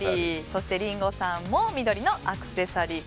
そしてリンゴさんも緑のアクセサリー。